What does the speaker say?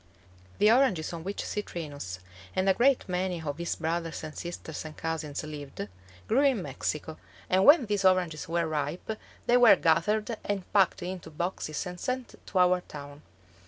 The oranges on which Citrinus and a great many of his brothers and sisters and cousins lived grew in Mexico, and when these oranges were ripe, they were gathered and packed into boxes and sent to our town.